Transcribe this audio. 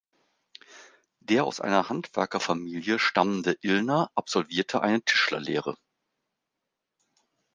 Der aus einer Handwerkerfamilie stammende Illner absolvierte eine Tischlerlehre.